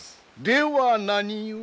では何故？